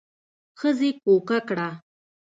ښځې کوکه کړه.